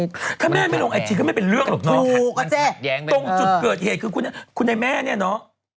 ถ้าแม่ไม่ลงไอจีก็ไม่เป็นเรื่องหรอกเนอะตรงจุดเกิดเหตุคือคุณไอ้แม่เนี่ยเนาะ